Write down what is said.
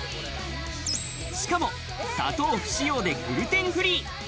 しかも、砂糖不使用でグルテンフリー。